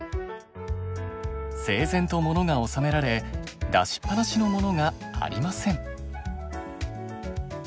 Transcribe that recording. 整然とモノが収められ出しっぱなしのモノがありません。